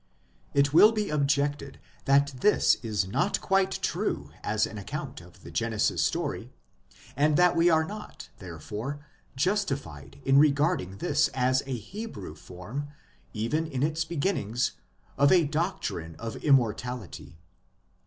It will be objected that this is not quite true as an account of the Genesis story, and that we are not, therefore, justified in regarding this as a Hebrew form, even in its beginnings, of a doctrine of Immortality.